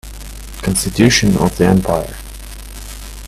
Constitution of the empire